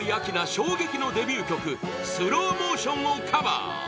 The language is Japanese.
衝撃のデビュー曲「スローモーション」をカバー